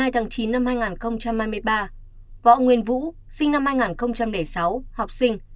theo cảo trạng đối ngay một mươi hai chín hai nghìn hai mươi ba võ nguyên vũ sinh năm hai nghìn sáu học sinh